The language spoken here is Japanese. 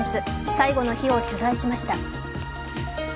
最後の日を取材しました。